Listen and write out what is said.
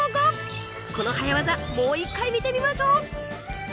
この早業もう一回見てみましょう。